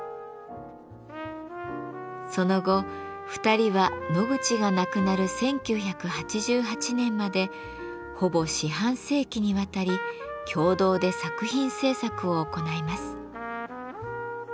その後２人はノグチが亡くなる１９８８年までほぼ四半世紀にわたり共同で作品制作を行います。